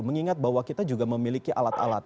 mengingat bahwa kita juga memiliki alat alat